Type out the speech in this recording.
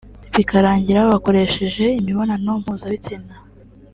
bikarangira babakoresheje imibonano mpuzabitsina